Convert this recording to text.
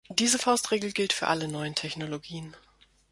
Diese Faustregel gilt für alle neuen Technologien.